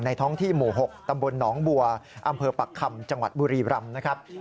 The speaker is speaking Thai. ท้องที่หมู่๖ตำบลหนองบัวอำเภอปักคำจังหวัดบุรีรำนะครับ